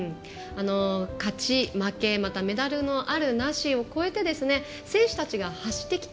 勝ち負けメダルのあるなしを越えて選手たちが発してきた